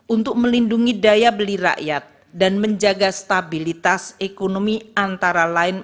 untuk melindungi daya beli rakyat dan menjaga stabilitas ekonomi antara lain